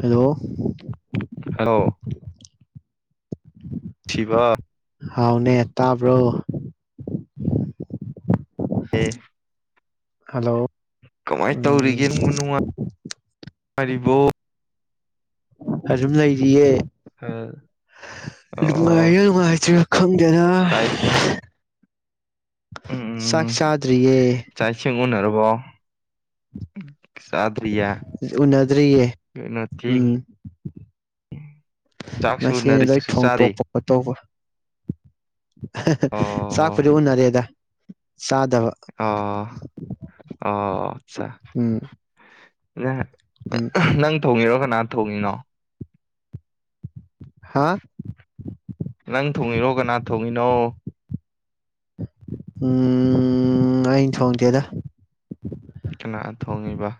Hello hello ꯊꯤꯕ ꯍꯥꯎꯅꯦ ꯇꯥꯕ꯭ꯔꯣ ꯑꯦꯞ ꯍꯜꯂꯣ ꯀꯃꯥꯏ ꯎꯝ ꯇꯧꯔꯤꯒꯦ ꯅꯪꯕꯨ ꯅꯨꯡꯉꯥꯏ ꯉꯥꯏꯔꯤꯕꯣ ꯑꯗꯨꯝ ꯂꯩ ꯗꯤꯌꯦ ꯑꯣ ꯅꯨꯉꯥꯏꯔꯤꯔꯥ ꯅꯨꯉꯥꯏꯇ꯭ꯔꯤꯔꯥ ꯈꯪ ꯀꯩꯅꯣ ꯆꯥꯛ ꯏꯁꯤꯡ ꯎꯝ ꯆꯥꯛ ꯆꯥꯗ꯭ꯔꯤꯌꯦ ꯋꯥꯎ ꯎꯅꯗ꯭ꯔꯤꯌꯦ ꯀꯩꯅꯣ ꯎꯝ ꯊꯦꯡꯉꯤ ꯆꯥꯛꯁꯨ ꯃꯁꯤꯅꯤ ꯎꯅꯔꯤ ꯂꯣꯏ ꯆꯥꯛꯁꯨ ꯆꯥꯔꯤ ꯊꯣꯡꯇꯣꯛꯄ ꯈꯣꯠꯇꯣꯛꯄ ꯆꯥꯛꯄꯨꯗꯤ ꯎꯅꯔꯦꯗ ꯆꯥꯗꯕ ꯑꯥ ꯑꯥ ꯆꯥ ꯎꯝ ꯅ ꯎꯝ ꯅꯪ ꯊꯣꯡꯉꯤꯔꯣ ꯀꯅꯥ ꯊꯣꯡꯉꯤꯅꯣ ꯍꯥ ꯅꯪ ꯊꯣꯡꯉꯤꯔꯣ ꯀꯅꯥ ꯊꯣꯡꯉꯤꯅꯣ ꯎꯝ ꯑꯩ ꯊꯣꯡꯗꯦꯗ ꯀꯅꯥꯅ ꯊꯣꯡꯉꯤꯕ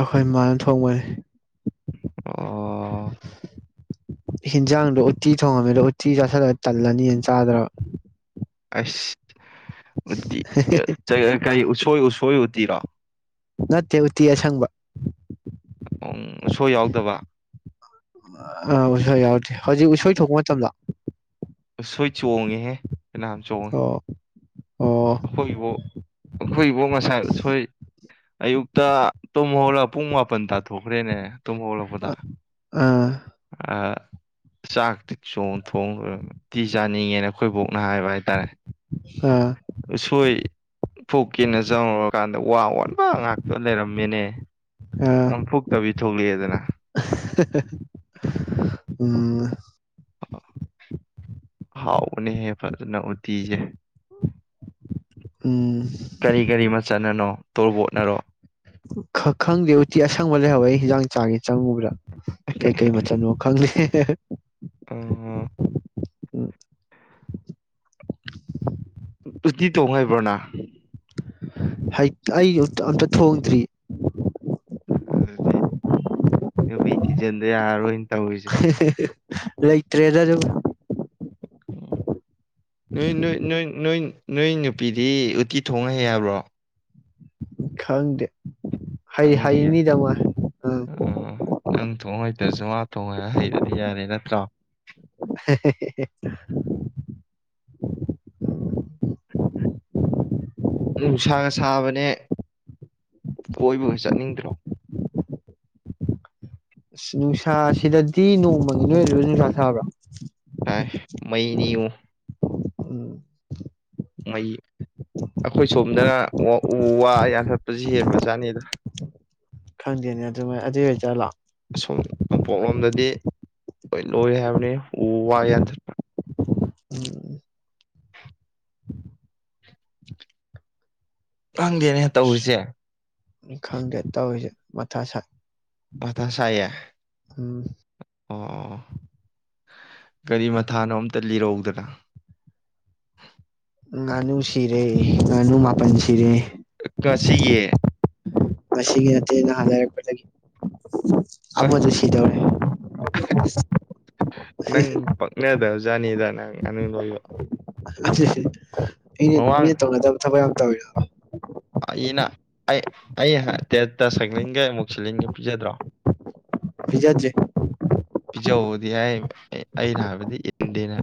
ꯑꯩꯈꯣꯏ ꯃꯥꯅ ꯊꯣꯡꯕꯅꯦ ꯑꯣ ꯍꯦꯟꯖꯥꯡꯗꯣ ꯎꯠꯇꯤ ꯊꯣꯡꯉꯝꯃꯦꯗꯣ ꯎꯠꯇꯤ ꯆꯥꯁꯜꯂ ꯇꯜꯂꯅꯤꯅ ꯆꯥꯗ꯭ꯔꯕ ꯑꯁ ꯎꯠꯇꯤ ꯌ ꯆ ꯀꯩꯌꯩ ꯎꯋꯣꯏ ꯎꯁꯣꯏ ꯇꯤꯔꯣ ꯅꯠꯇꯦ ꯎꯇꯤ ꯑꯁꯪꯕ ꯎꯝ ꯎꯁꯣꯏ ꯌꯥꯎꯗꯕ ꯑ ꯌꯥꯔꯗꯤ ꯍꯧꯖꯤꯛ ꯎꯁꯣꯏ ꯊꯣꯛꯄ ꯃꯇꯝꯂꯣ ꯎꯁꯣꯏ ꯆꯣꯡꯉꯦꯍꯦ ꯐꯅ꯭ꯌꯥꯝ ꯆꯣꯡꯉꯦ ꯑꯣ ꯑꯣ ꯑꯩꯈꯣꯏꯕꯨ ꯑꯩꯈꯣꯏꯕꯨ ꯉꯁꯥꯏ ꯎꯁꯣꯏ ꯑꯌꯨꯛꯇ ꯇꯨꯝꯍꯧꯔꯞ ꯄꯨꯡ ꯃꯥꯄꯟ ꯇ ꯍꯣꯔꯦꯟꯅꯦ ꯇꯨꯝ ꯍꯎꯒꯜꯂꯛꯄꯗ ꯑꯥ ꯑꯥ ꯆꯥꯛꯇꯤ ꯆꯣꯡ ꯊꯣꯡ ꯂꯣꯏꯔꯒ ꯎꯇꯤ ꯆꯥꯅꯤꯡꯉꯦꯅ ꯑꯩꯈꯣꯏ ꯕꯣꯛꯅ ꯍꯥꯏꯕ ꯍꯥꯏꯇꯥꯔꯦ ꯑꯥ ꯎꯁꯣꯏ ꯐꯨꯛꯀꯦꯅ ꯆꯪꯉꯨꯔꯀꯥꯟꯗ ꯋꯥ ꯋꯥꯟꯕ ꯉꯥꯛꯇ ꯂꯩꯔꯝꯃꯦꯅꯦ ꯑꯥ ꯑꯝ ꯐꯨꯛꯇꯕꯤ ꯊꯣꯛꯂꯛꯑꯦꯗꯅ ꯍꯦ ꯎꯝ ꯍꯥꯎꯕꯅꯦ ꯍꯦ ꯐꯖꯅ ꯎꯇꯤꯖꯦ ꯎꯝ ꯀꯔꯤ ꯀꯔꯤ ꯃꯆꯟꯅꯅꯣ ꯇꯣꯔꯕꯣꯠꯅꯔꯣ ꯈꯪꯗꯦ ꯎꯇꯤ ꯑꯁꯪꯕ ꯂꯩꯍꯧꯋꯦ ꯑꯩ ꯍꯤꯟꯖꯥꯡ ꯆꯥꯒꯦ ꯆꯪꯉꯨꯕꯗ ꯀꯩ ꯀꯩ ꯃꯆꯜꯅꯣ ꯈꯪꯗꯦ ꯍꯦ-ꯍꯦ ꯑ ꯎꯇꯤ ꯇꯣꯡ ꯍꯩꯕ꯭ꯔꯣꯅꯪ ꯍꯩ ꯑꯩ ꯑꯝꯇ ꯊꯣꯡꯗ꯭ꯔꯤ ꯑꯗꯨꯗꯤ ꯍꯦ ꯅꯨꯄꯤ ꯊꯤꯖꯤꯟꯗ ꯌꯥꯔꯔꯣꯏꯅ ꯇꯧꯔꯤꯁꯦ ꯍꯦ ꯍꯦ ꯂꯩꯇꯔꯦꯗ ꯑꯗꯨꯒ ꯎꯝ ꯅꯣꯏ ꯅꯣꯏ ꯅꯣꯏ ꯅꯣꯏ ꯅꯣꯏ ꯅꯨꯄꯤꯗꯤ ꯎꯇꯤ ꯊꯣꯡ ꯍꯩ ꯍꯥꯏꯕ꯭ꯔꯣ ꯈꯪꯗꯦ ꯍꯩ ꯈꯪꯗꯤꯌꯦ ꯍꯩꯅꯤꯗ ꯃꯣꯏ ꯎꯝ ꯑꯥ ꯅꯪ ꯊꯣꯡꯍꯩꯇ꯭ꯔꯁꯨ ꯃꯥ ꯊꯣꯡꯍꯩꯔꯗꯤ ꯌꯥꯔꯦ ꯅꯠꯇ꯭ꯔꯣ ꯅꯨꯡꯁꯥꯒ ꯁꯥꯕꯅꯦ ꯀꯣꯏꯕꯒ ꯆꯠꯅꯤꯡꯗ꯭ꯔꯣ ꯑꯁ ꯅꯨꯡꯁꯥꯁꯤꯗꯗꯤ ꯅꯣꯡꯃꯒꯤ ꯅꯣꯏ ꯑꯗꯁꯨ ꯅꯨꯡꯁꯥ ꯁꯥꯥꯕ꯭ꯔꯥ ꯁꯥꯏ ꯃꯩꯅꯤꯉꯣ ꯎꯝ ꯃꯩ ꯑꯩꯈꯣꯏ ꯁꯣꯝꯗꯅ ꯎ ꯋꯥ ꯌꯥꯟꯊꯠꯄꯁꯤ ꯍꯦꯟꯕꯖꯥꯠꯅꯤꯗ ꯈꯪꯗꯦꯅꯦ ꯑꯗꯨꯃꯥꯏ ꯑꯗꯨꯏ ꯑꯣꯏ ꯖꯥꯠꯂꯣ ꯁꯨꯝꯝ ꯅꯣꯡꯄꯣꯛꯂꯣꯝꯗꯗꯤ ꯂꯣꯏ ꯂꯣꯏꯔꯦ ꯍꯥꯏꯕꯅꯤ ꯎ ꯋꯥ ꯌꯥꯟꯊꯠꯄ ꯎꯝ ꯈꯪꯗꯦꯅꯦ ꯇꯧꯔꯤꯁꯦ ꯎ ꯈꯪꯗꯦ ꯇꯧꯔꯤꯁꯦ ꯃꯊꯥ ꯁꯥꯏ ꯃꯊꯥ ꯁꯥꯏꯌꯦ ꯎꯝ ꯑꯣ ꯀꯔꯤ ꯃꯊꯥꯅꯣ ꯑꯝꯇ ꯂꯤꯔꯛꯎꯗꯅ ꯉꯥꯅꯨ ꯁꯤꯔꯦ ꯉꯥꯅꯨ ꯃꯥꯄꯜ ꯁꯤꯔꯦ ꯉꯁꯤꯒꯤ ꯉꯁꯤꯒꯤ ꯅꯠꯇꯦ ꯅꯍꯥꯟ ꯂꯩꯔꯛꯄꯗꯒꯤ ꯑꯃꯁꯨ ꯁꯤꯗꯧꯔꯦ ꯑꯁ ꯖꯥꯗꯅꯤꯗ ꯅꯪ ꯉꯥꯅꯨ ꯂꯣꯏꯕ ꯃꯤꯅ ꯃꯤꯅ ꯃꯃꯥꯡ ꯇꯧꯅꯗꯕ ꯊꯕꯛ ꯌꯥꯝ ꯇꯧꯏꯔꯣ ꯑꯩꯅ ꯑꯩ ꯑꯩ ꯇꯦꯠꯇ ꯁꯥꯏꯀ꯭ꯂꯤꯡꯒ ꯏꯃꯨꯁꯤꯂꯤꯟꯒ ꯄꯤꯖꯗ꯭ꯔꯣ ꯄꯤꯖꯗꯦ ꯄꯤꯖꯧꯗꯤ ꯍꯥꯏ ꯑꯩꯅ ꯍꯥꯏꯕꯗꯤ ꯏꯟꯗꯦ ꯅ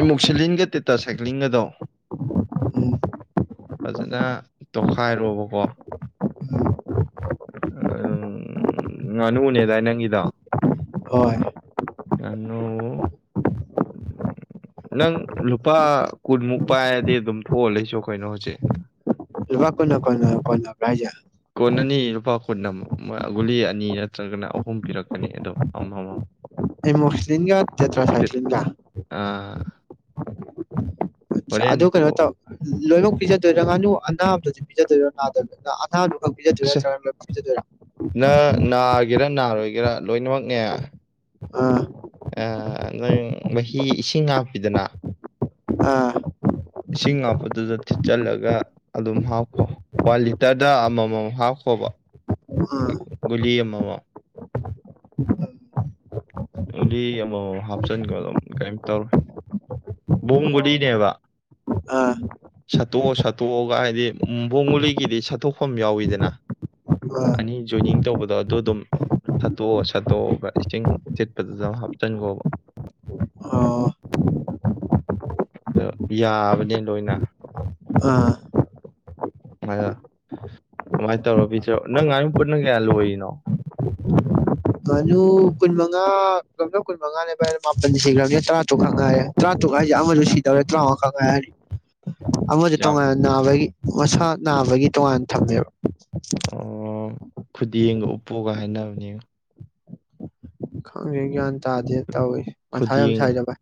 ꯏꯃꯨꯁꯤꯂꯤꯟꯒ ꯇꯦꯠꯇ ꯁꯥꯏꯀ꯭ꯂꯤꯡꯒꯗꯣ ꯎꯝ ꯐꯖꯅ ꯇꯣꯈꯥꯏꯔꯣꯕꯀꯣ ꯑꯝ ꯉꯥꯅꯨꯅꯦꯗꯥꯏ ꯅꯪꯒꯤꯗꯣ ꯍꯣꯏ ꯉꯥꯅꯨ ꯅꯪ ꯂꯨꯄꯥ ꯀꯨꯟꯃꯨꯛ ꯄꯥꯏꯔꯗꯤ ꯑꯗꯨꯝ ꯊꯣꯛꯑ ꯂꯩꯆꯣ ꯀꯩꯅꯣ ꯍꯧꯖꯤꯛ ꯂꯨꯄꯥ ꯀꯨꯟꯅ ꯀꯣꯟꯅ ꯀꯣꯟꯅꯕ꯭ꯔꯣ ꯍꯥꯏꯖꯦ ꯅꯅꯤ ꯂꯨꯄꯥ ꯀꯨꯟ ꯑꯃꯛ ꯒꯨꯂꯤ ꯑꯅꯤ ꯅꯠꯇ꯭ꯔꯒꯅ ꯑꯍꯨꯝ ꯄꯤꯔꯛꯀꯅꯤ ꯑꯗꯣ ꯑꯃ ꯑꯃ ꯇꯦꯃꯣꯛꯁꯂꯤꯟꯒ ꯇꯦꯇ꯭ꯔꯁꯥꯏꯀ꯭ꯂꯤꯟꯒ ꯑꯥ ꯆ ꯑꯗꯨ ꯍꯣꯔꯦꯟ ꯀꯩꯅꯣ ꯊꯣꯛ ꯇꯧ ꯂꯣꯏꯃꯛ ꯄꯤꯖꯗꯣꯏꯔꯥ ꯉꯥꯅꯨ ꯑꯅꯕꯗꯣ ꯄꯤꯖꯗꯣꯏꯔꯣ ꯅꯥꯗꯕꯗꯨꯅ ꯑ ꯑꯅꯕꯈꯛ ꯄꯤꯖꯗꯣꯏꯔ ꯑꯁꯦ ꯅꯠꯇ꯭ꯔꯒ ꯂꯣꯏꯅ ꯄꯤꯖꯗꯣꯏꯔ ꯁꯤꯒꯦꯔꯥ ꯅꯥꯔꯣꯏꯒꯦꯔꯥ ꯂꯣꯏꯅꯃꯛꯅꯦ ꯑꯥ ꯑ ꯅꯣꯏ ꯃꯍꯤ ꯏꯁꯤꯡ ꯍꯥꯞꯄꯤꯗꯅ ꯑꯥ ꯏꯁꯤꯡ ꯍꯥꯥꯞꯄꯗꯨꯗ ꯊꯤꯠꯆꯜꯂꯒ ꯑꯗꯨꯝ ꯍꯥꯞꯈꯣ ꯋꯥꯟ ꯂꯤꯇꯔꯗ ꯑꯃꯃꯝ ꯍꯥꯞꯈꯣꯕ ꯑꯥ ꯒꯨꯂꯤ ꯑꯃꯃꯝ ꯒꯨꯂꯤ ꯑꯃꯃꯝ ꯍꯥꯞꯆꯤꯟꯒꯣ ꯑꯗꯨꯝ ꯀꯩꯌꯤꯝ ꯇꯧꯔꯣꯏ ꯕꯣꯝ ꯑꯣ ꯒꯨꯂꯤꯅꯦꯕ ꯑꯥ ꯁꯠꯇꯣꯛꯑꯒ ꯁꯠꯇꯣꯛꯑꯒ ꯍꯥꯏꯗꯤ ꯕꯣꯝ ꯒꯨꯂꯤꯒꯤꯗꯤ ꯁꯠꯇꯣꯛꯐꯝ ꯌꯥꯎꯏꯗꯅ ꯑꯥ ꯑꯅꯤ ꯖꯣꯏꯅꯤꯡ ꯇꯧꯕꯗꯣ ꯑꯗꯨ ꯑꯗꯨꯝ ꯁꯠꯇꯣꯛꯑꯒ ꯁꯠꯇꯣꯛꯑꯒ ꯏꯁꯤꯡ ꯊꯤꯠꯄꯗꯨꯗ ꯍꯥꯞꯆꯤꯟꯈꯣꯕ ꯑꯣ ꯑꯗꯣ ꯌꯥꯕꯅꯤ ꯂꯣꯏꯅ ꯑꯥ ꯑꯗꯣ ꯑꯗꯨꯃꯥꯏꯅ ꯇꯧꯔ ꯄꯤꯖꯧ ꯅꯪ ꯉꯥꯅꯨ ꯄꯨꯟꯅ ꯀꯌꯥ ꯂꯣꯏꯔꯤꯅꯣ ꯉꯥꯅꯨ ꯀꯨꯟꯃꯉꯥ ꯄꯨꯂꯞꯅ ꯀꯨꯟꯃꯉꯥꯅꯦꯕ ꯚꯥꯏ ꯃꯥꯄꯟ ꯁꯤꯈ꯭ꯔꯕꯅꯤꯅꯦ ꯇꯔꯥꯇꯔꯨꯛꯈꯛ ꯉꯥꯏꯔꯦ ꯇꯔꯥꯇꯔꯨꯛ ꯍꯥꯏꯁꯦ ꯑꯃꯁꯨ ꯁꯤꯗꯧꯔꯦ ꯇꯔꯥꯃꯉꯥꯈꯛ ꯉꯥꯏꯍꯧꯔꯅꯤ ꯑꯃꯁꯨ ꯌꯥꯝ ꯇꯣꯉꯥꯟꯅ ꯅꯥꯕꯒꯤ ꯃꯁꯥ ꯅꯥꯕꯒꯤ ꯇꯣꯉꯥꯟꯅ ꯊꯝꯃꯦꯕ [inaudible] ꯑꯣ ꯈꯨꯗꯦꯡꯒ ꯎꯞꯄꯣꯒ ꯍꯥꯏꯅꯕꯅꯦꯕꯣ ꯈꯪꯗ꯭ꯔꯦ ꯒ꯭ꯌꯥꯟ ꯇꯥꯗꯦ ꯇꯧꯋꯤ ꯃꯊꯥ ꯌꯥꯝ ꯈꯨꯗꯦꯡ ꯁꯥꯏꯗ ꯚꯥꯏ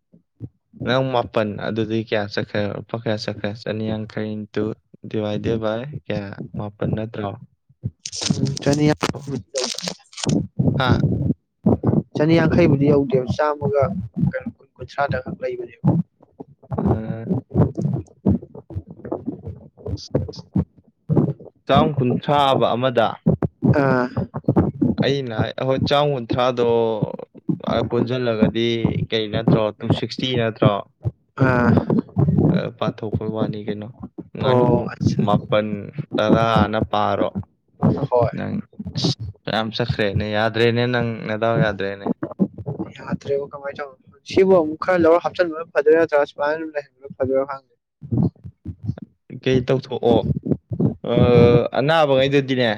ꯅꯪ ꯃꯥꯄꯟ ꯑꯗꯨꯗꯤ ꯀꯌꯥ ꯆꯠꯈ꯭ꯔꯦ ꯂꯨꯄꯥ ꯀꯌꯥ ꯆꯠꯈ꯭ꯔꯦ ꯆꯅꯤꯌꯥꯡꯈꯩꯏꯤꯟꯇꯨ ꯗꯤꯚꯥꯏꯗꯦꯠꯚꯥꯏ ꯀꯌꯥ ꯃꯥꯄꯜ ꯅꯠꯇ꯭ꯔꯣ ꯎꯝ ꯆꯅꯤꯌꯥꯡꯈꯩ ꯍꯥ ꯆꯅꯤꯌꯥꯡꯈꯩꯕꯨꯗꯤ ꯌꯧꯗꯦꯕ ꯆꯥꯝꯃꯒ ꯀꯩꯅꯣ ꯀꯨꯟ ꯀꯨꯟꯊ꯭ꯔꯥꯗꯈꯛ ꯂꯩꯕꯅꯦꯕ [inaudible] ꯆꯥꯝ ꯀꯨꯟꯊ꯭ꯔꯥꯑꯕ ꯑꯃꯗ ꯑꯥ ꯑꯩꯅ ꯍꯥꯏꯗꯤ ꯍꯣꯏ ꯆꯥꯝꯀꯨꯟꯊ꯭ꯔꯥꯗꯣ ꯑ ꯄꯨꯟꯁꯤꯜꯂꯒꯗꯤ ꯀꯩ ꯅꯠꯇ꯭ꯔꯣ ꯇꯨꯁꯤꯛꯁꯇꯤ ꯅꯠꯇ꯭ꯔꯣ ꯑꯥ ꯑ ꯄꯥꯊꯣꯛꯄꯩ ꯋꯥꯅꯤ ꯀꯩꯅꯣ ꯉꯥꯅꯨ ꯑꯣ ꯑꯠꯆꯥ ꯃꯥꯄꯜ ꯇꯔꯥꯅ ꯄꯥꯔꯣ ꯍꯣꯏ ꯅꯪ ꯌꯥꯝ ꯆꯠꯈ꯭ꯔꯦꯅꯦ ꯌꯥꯗ꯭ꯔꯦꯅꯦ ꯅꯪ ꯅꯗꯥꯎ ꯌꯥꯗ꯭ꯔꯦꯅꯦ ꯌꯥꯗ꯭ꯔꯦꯕꯣ ꯀꯃꯥꯏꯅ ꯇꯧꯅꯤ ꯁꯤꯕꯨ ꯑꯃꯨꯛ ꯈꯔ ꯂꯧꯔ ꯍꯥꯞꯆꯤꯟꯕꯅ ꯐꯗꯣꯏꯔ ꯅꯠꯇ꯭ꯔꯥ ꯁꯨꯃꯥꯏꯅ ꯂꯩꯍꯟꯕꯅ ꯐꯗꯣꯏꯔꯥ ꯈꯪꯗꯦ ꯀꯩ ꯇꯧꯊꯣꯛꯑꯣ ꯑ ꯑꯅꯥꯕꯉꯩꯗꯨꯗꯤꯅꯦ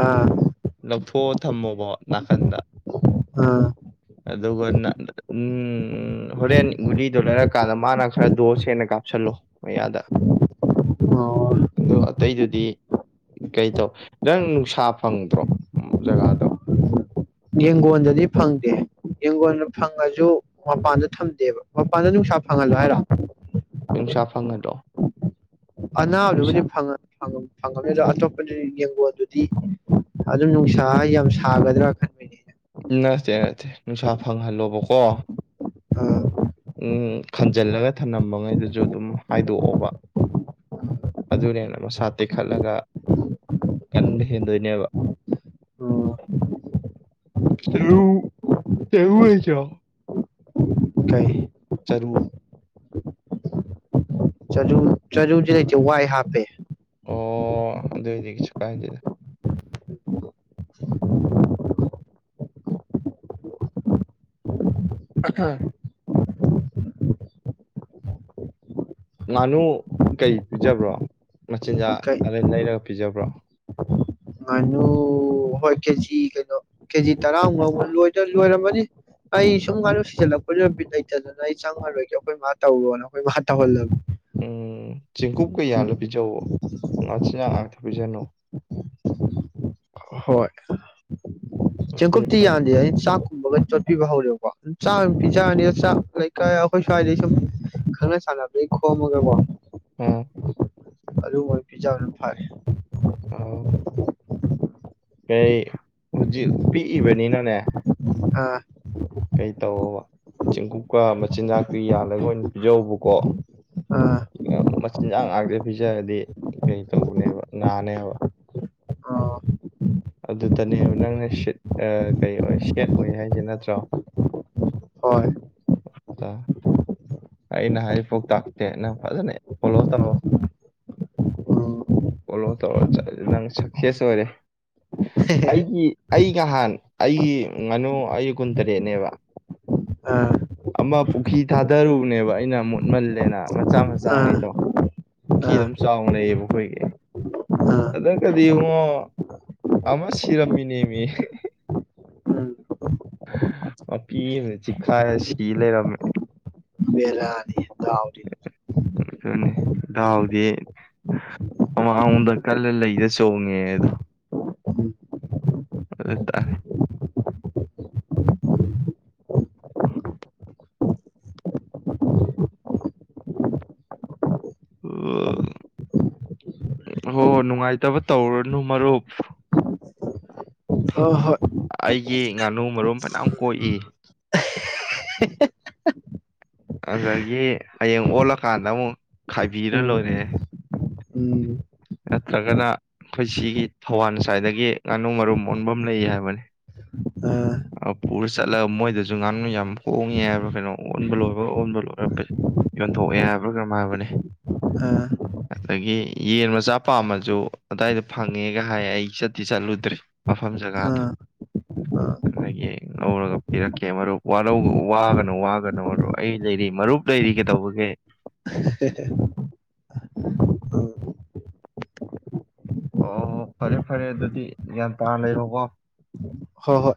ꯑꯥ ꯂꯧꯊꯣꯛꯑꯣ ꯊꯝꯃꯣꯕꯣ ꯅꯥꯀꯟꯗ ꯑꯥ ꯑꯗꯨꯒ ꯅ- ꯎꯝ ꯍꯣꯔꯦꯟ ꯒꯨꯂꯤꯗꯣ ꯂꯩꯔꯀꯥꯟꯗ ꯃꯥꯅ ꯈꯔ ꯗꯣꯁ ꯍꯦꯟꯅ ꯀꯥꯞꯁꯤꯜꯂꯣ ꯃꯌꯥꯗ ꯑꯣ ꯑꯗꯣ ꯑꯇꯩꯗꯨꯗꯤ ꯀꯩ ꯇꯧꯈ꯭ꯔꯦ ꯅꯪ ꯅꯨꯡꯁꯥ ꯐꯪꯗ꯭ꯔꯣ ꯖꯒꯥꯗꯣ ꯌꯦꯡꯒꯣꯟꯗꯗꯤ ꯐꯪꯗꯦ ꯌꯦꯡꯒꯣꯟꯅ ꯐꯪꯉꯁꯨ ꯃꯄꯥꯟꯗ ꯊꯝꯗꯦꯕ ꯃꯄꯥꯟꯗ ꯅꯨꯡꯁꯥ ꯐꯪꯍꯜꯂꯣ ꯍꯥꯏꯔꯣ ꯅꯨꯡꯁꯥ ꯐꯪꯍꯜꯂꯣ ꯅꯨꯡꯁꯥ ꯑꯅꯥꯕꯗꯨꯕꯨꯗꯤ ꯐꯪꯉ ꯐꯪꯉ ꯐꯪꯉꯔꯣꯏꯗ ꯑꯇꯣꯞꯄꯗꯤ ꯌꯦꯟꯒꯣꯟ ꯑꯗꯨꯗꯤ ꯑꯗꯨꯝ ꯅꯨꯡꯁꯥ ꯌꯥꯝ ꯁꯥꯒꯗ꯭ꯔꯥ ꯈꯟꯕꯅꯤꯅꯦ ꯅꯠꯇꯦ ꯅꯠꯇꯦ ꯅꯨꯡꯁꯥ ꯐꯪꯍꯜꯂꯣꯕꯀꯣ ꯑꯩꯅ꯫ ꯑꯥ ꯎꯝ ꯈꯟꯖꯤꯜꯂꯒ ꯊꯝꯂꯕꯉꯩꯗꯨꯁꯨ ꯑꯗꯨꯝ ꯍꯥꯏꯗꯣꯛꯑꯣꯕ ꯑꯗꯨꯅꯦꯅ ꯃꯁꯥ ꯇꯦꯛꯈꯠꯂꯒ ꯀꯟꯕ ꯍꯦꯟꯗꯣꯏꯅꯦꯕ ꯎꯝ ꯆꯔꯨ ꯆꯔꯨ ꯂꯩꯇꯔꯣ ꯀꯩ ꯆꯔꯨ ꯆꯔꯨ ꯆꯔꯨꯗꯤ ꯂꯩꯇꯦ ꯋꯥꯏ ꯍꯥꯞꯄꯦ ꯑꯣ ꯑꯗꯨ ꯑꯣꯏꯗꯤ ꯀꯩꯁꯨ ꯀꯥꯏꯗꯦꯗ [unintelligible] ꯉꯥꯅꯨ ꯀꯩ ꯄꯤꯖꯕ꯭ꯔꯣ ꯃꯆꯤꯟꯖꯥꯛ ꯀꯩ ꯑ ꯂꯩꯔꯒ ꯄꯤꯖꯕ꯭ꯔꯣ ꯉꯥꯅꯨ ꯍꯣꯏ ꯀꯦꯖꯤ ꯀꯩꯅꯣ ꯀꯦꯖꯤ ꯇꯔꯥꯃꯨꯛ ꯂꯧꯕ ꯂꯣꯏꯗꯧ ꯂꯣꯏꯔꯝꯃꯅꯤ ꯑꯩ ꯁꯨꯝ ꯉꯅꯨ ꯁꯤꯖꯤꯜꯂꯛꯄꯗꯨꯗ ꯕꯤꯠ ꯂꯩꯇꯗꯅ ꯑꯩ ꯆꯪꯉꯔꯣꯏꯒꯦ ꯑꯩꯈꯣꯏ ꯃꯥ ꯇꯧꯔꯣꯅ ꯑꯩꯈꯣꯏ ꯃꯥ ꯇꯧꯍꯜꯂꯕ ꯎꯝ ꯆꯦꯡꯀꯨꯞꯀ ꯌꯥꯜꯂ ꯄꯤꯖꯑꯣ ꯉꯆꯤꯟꯖꯥꯛ ꯉꯥꯛꯇ ꯄꯤꯖꯅꯣ ꯍꯣꯏ ꯃꯆꯤꯟ- ꯆꯦꯡꯀꯨꯞꯇꯤ ꯌꯥꯟꯗꯦ ꯑꯩ ꯆꯥꯛ ꯨꯕꯝꯒ ꯇꯣꯠꯄꯤꯕ ꯍꯧꯔꯦꯕꯀꯣ ꯑꯗꯨ ꯆꯥꯛ ꯑꯗꯨꯝ ꯄꯤꯖꯔꯅꯤ ꯆꯥꯛ ꯂꯩꯀꯥꯏ ꯑꯩꯈꯣꯏ ꯁ꯭ꯋꯥꯏꯗꯩ ꯁꯨꯝ ꯈꯪꯅ ꯆꯥꯟꯅꯕꯩ ꯈꯣꯝꯃꯒꯀꯣ ꯎꯝ ꯑꯗꯨꯕꯣꯏ ꯄꯤꯖꯕꯅ ꯐꯥꯔꯦ ꯑꯣ ꯀꯩ ꯍꯧꯖꯤꯛ ꯄꯤꯛꯏꯕꯅꯤꯅꯅꯦ ꯑꯥ ꯀꯩ ꯇꯧꯑꯣꯕ ꯆꯦꯡꯀꯨꯞꯀ ꯃꯆꯤꯟꯖꯥꯛꯇꯨ ꯌꯥꯜꯂꯒ ꯑꯣꯏꯅ ꯌꯧꯕꯨꯀꯣ ꯑꯥ ꯃꯆꯤꯟꯖꯥꯛ ꯉꯥꯛ ꯄꯤꯖꯔꯗꯤ ꯀꯩ ꯇꯧꯕꯅꯦꯕ ꯅꯥꯅꯤ ꯍꯥꯏꯕ ꯑꯣ ꯑꯗꯨꯗꯅꯦꯕ ꯅꯪꯅ ꯁꯤꯠ ꯑꯥ ꯀꯩ ꯑꯣꯏ ꯁꯦꯠ ꯑꯣꯏ ꯍꯥꯏꯁꯦ ꯅꯠꯇ꯭ꯔꯣ ꯍꯣꯏ [unintelligible] ꯑꯩꯅ ꯍꯥꯏ ꯄꯥꯎꯇꯥꯛꯁꯦ ꯅꯪ ꯐꯖꯅ ꯐꯣꯂꯣ ꯇꯧꯔꯣ ꯎꯝ ꯐꯣꯂꯣ ꯇꯧꯔ ꯆꯠꯂ ꯅꯪ ꯁꯛꯁꯦꯁ ꯑꯣꯏꯔꯦ ꯑꯩꯒꯤ ꯑꯩ ꯅꯍꯥꯟ ꯑꯩꯒꯤ ꯉꯥꯅꯨ ꯑꯩꯒꯤ ꯀꯨꯟꯇꯔꯦꯠꯅꯦꯕ ꯑꯥ ꯑꯃ ꯄꯨꯈ꯭ꯔꯤ ꯊꯥꯗꯔꯨꯕꯅꯦꯕ ꯑꯩꯅ ꯃꯣꯠꯃꯜꯂꯦꯅ ꯃꯆꯥ ꯃꯆꯥꯥ ꯑꯥ ꯉꯩꯗꯣ ꯄꯨꯈ꯭ꯔꯤ ꯑꯥ ꯑꯗꯨꯝ ꯆꯥꯎꯅ ꯂꯩꯌꯦꯕ ꯑꯩꯈꯣꯏꯒꯤ ꯑꯥ ꯑꯗꯒꯗꯤ ꯏꯕꯨꯡꯉꯣ ꯑꯃ ꯁꯤꯔꯝꯃꯤꯅꯦ ꯃꯤ ꯎꯝ ꯃꯄꯤ ꯑꯝꯅ ꯆꯤꯛꯈꯥꯏꯔ ꯁꯤ ꯂꯩꯔꯝꯃꯦ ꯃꯦꯔꯅꯤ ꯃꯅꯦ ꯗꯥꯎꯗꯤ ꯃꯃꯥꯡꯂꯣꯝꯗ ꯀꯜꯂ ꯂꯩꯗ ꯆꯣꯡꯉꯦ ꯑꯗꯣ ꯎꯝ ꯑꯗꯇꯥꯥꯔꯦ ꯑꯣ ꯍꯣ ꯍꯣꯏ ꯅꯨꯡꯉꯥꯏꯇꯕ ꯇꯧꯔꯅꯨ ꯃꯔꯨꯞ ꯍꯣꯢ ꯍꯣꯢ ꯌꯦ ꯉꯥꯅꯨ ꯃꯔꯨꯝ ꯐꯅꯌꯥꯝ ꯀꯣꯛꯏ ꯑꯗꯒꯤ ꯍꯌꯦꯡ ꯑꯣꯜꯂꯀꯥꯟꯗ ꯑꯃꯨꯛ ꯈꯥꯏꯕꯤꯔ ꯎꯝ ꯂꯣꯏꯔꯦ ꯎꯝ ꯅꯠꯇ꯭ꯔꯒꯅ ꯑꯩꯈꯣꯏ ꯁꯤꯒꯤ ꯊꯋꯥꯟꯁꯥꯏꯗꯒꯤ ꯉꯥꯅꯨ ꯃꯔꯨꯝ ꯑꯣꯟꯕꯝ ꯂꯩ ꯍꯥꯏꯕꯅꯤ ꯑꯥ ꯑ ꯄꯨꯔ ꯆꯠꯂꯒ ꯃꯣꯏꯗꯁꯨ ꯉꯥꯅꯨ ꯌꯥꯝ ꯍꯣꯡꯉꯦ ꯍꯥꯏꯕ꯭ꯔꯥ ꯀꯩꯅꯣ ꯑꯣꯟꯕ ꯂꯣꯏꯕꯒ ꯑꯣꯟꯕ ꯂꯣꯏꯔ ꯄ ꯌꯣꯟꯊꯣꯛꯑꯦ ꯍꯥꯏꯕ꯭ꯔꯥ ꯀꯩꯅꯣꯝ ꯍꯥꯏꯕꯅꯦ ꯑꯥ ꯑꯗꯨꯗꯒꯤ ꯌꯦꯟ ꯃꯆꯥ ꯄꯥꯝꯃꯁꯨ ꯑꯗꯥꯏꯗ ꯐꯪꯉꯦꯒ ꯍꯥꯏ ꯑꯩ ꯆꯠꯇꯤ ꯆꯠꯂꯨꯗ꯭ꯔꯤ ꯃꯐꯝ ꯖꯒꯥꯗꯨ ꯑꯥ ꯑꯥ ꯑꯗꯒꯤ ꯉꯧꯔꯒ ꯄꯤꯔꯛꯀꯦ ꯃꯔꯨꯞ ꯋꯥꯔꯧ ꯋꯥꯒꯅꯨ ꯋꯥꯒꯅꯨ ꯃꯔꯨꯞ ꯑꯩ ꯂꯩꯔꯤ ꯃꯔꯨꯞ ꯂꯩꯔꯤ ꯀꯩꯗꯧꯕꯒꯦ ꯍꯦ ꯍꯦ ꯑꯣ ꯐꯔꯦ ꯐꯔꯦ ꯑꯗꯨꯗꯤ ꯒ꯭ꯌꯥꯟ ꯇꯥꯅ ꯂꯩꯔꯣꯀꯣ ꯍꯣꯍꯣꯏ